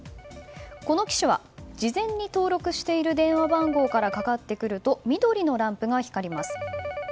この機種は事前に登録している電話番号からかかってくると緑のランプが光ります。